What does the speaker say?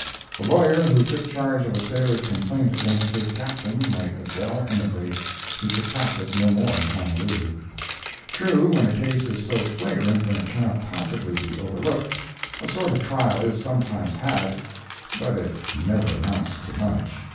The lawyer who took charge of a sailor's complaint against his Captain might as well emigrate—he could practice no more in Honolulu. True, when a case is so flagrant that it cannot possibly be overlooked, a sort of trial is sometimes had, but it never amounts to much.